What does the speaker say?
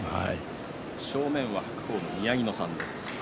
正面は白鵬の宮城野さんです。